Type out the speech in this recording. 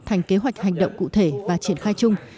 thành kế hoạch hành động cụ thể và triển khai chung